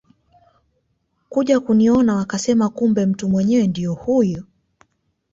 kuja kuniona wakasema kumbe mtu mwenyewe ndio huyu